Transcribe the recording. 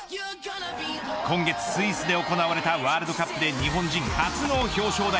今月スイスで行われたワールドカップで日本人初の表彰台。